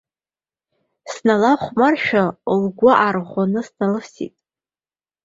Сналахәмаршәа, лгәы аарӷәӷәаны сналывсит.